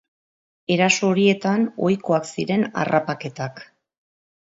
Eraso horietan ohikoak ziren harrapaketak.